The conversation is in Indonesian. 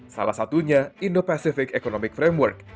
salah satunya indo pacific economic framework